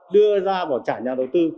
đưa ra bỏ trả nhà đầu tư